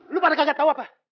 lu pada kaget tau apa